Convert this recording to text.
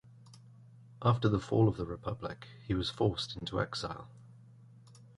After the fall of the republic, he was forced into exile.